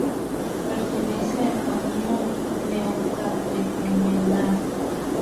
Pertenece al Camino Neocatecumenal.